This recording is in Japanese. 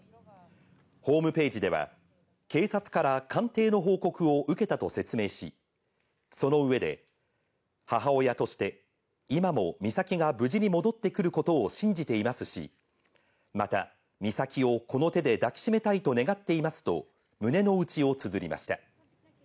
ホームページでは、警察から鑑定の報告を受けたと説明し、その上で、母親として、今も美咲が無事に戻ってくることを信じていますし、また、美咲をこの手で抱き締めたいと願っていますと、胸の内をつづりました。